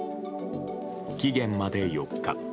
期限まで４日。